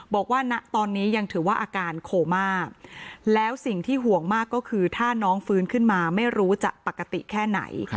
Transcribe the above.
บอกว่าณตอนนี้ยังถือว่าอาการโคม่าแล้วสิ่งที่ห่วงมากก็คือถ้าน้องฟื้นขึ้นมาไม่รู้จะปกติแค่ไหน